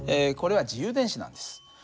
これは自由電子なんです。